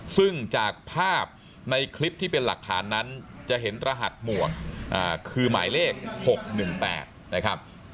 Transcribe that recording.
ซึ่งจากภาพในคลิปที่เป็นหลักฐานนั้นจะเห็นรหัสหมวกคือหมายเลข๖๑๘นะครับ